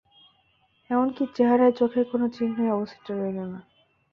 এমনকি চেহারায় চোখের কোন চিহ্নই অবশিষ্ট রইলো না।